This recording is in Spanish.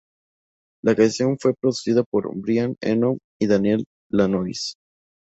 La canción fue producida por Brian Eno y Daniel Lanois.